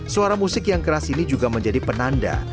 suara musik yang keras ini juga menjadi penanda